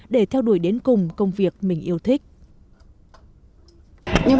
để theo đuổi đến cùng công việc mình yêu thích